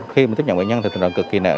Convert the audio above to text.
khi tiếp nhận bệnh nhân tình trạng cực kỳ nặng